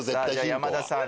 山田さん